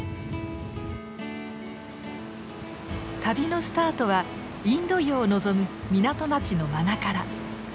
旅のスタートはインド洋を望む港町のマナカラ。